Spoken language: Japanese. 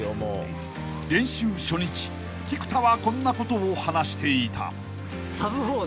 ［練習初日菊田はこんなことを話していた］